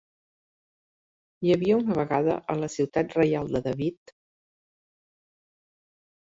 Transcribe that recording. Hi havia una vegada a la ciutat reial de David.